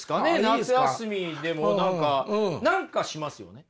夏休みでも何か何かしますよね。